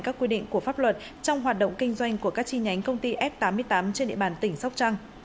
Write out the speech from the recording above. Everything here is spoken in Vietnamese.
các quy định của pháp luật trong hoạt động kinh doanh của các chi nhánh công ty f tám mươi tám trên địa bàn tỉnh sóc trăng